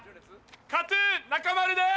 ＫＡＴ−ＴＵＮ・中丸です！